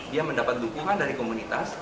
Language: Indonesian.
dia mendapat dukungan dari komunitas